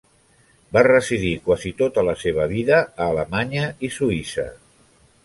Va residir quasi tota la seva vida a Alemanya i Suïssa.